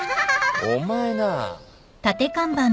お前な。